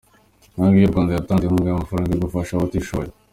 Banki y’urwanda yatanze inkunga y’amafaranga yo gufasha abatishoboye